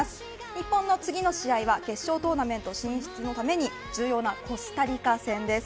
日本の次の試合は決勝トーナメント進出のために重要なコスタリカ戦です。